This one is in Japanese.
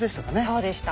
そうでした。